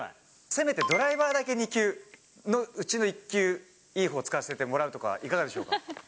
せめてドライバーだけ２球のうちの１球を使わせてもらうとか、いかがでしょうか？